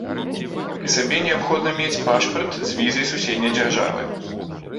Пры сабе неабходна мець пашпарт з візай суседняй дзяржавы.